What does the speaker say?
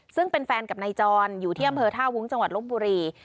ซึ่งเป็นแฟนกับนายจรอยู่ที่อำเภอท่าวุ้งจังหวัดลบบุรี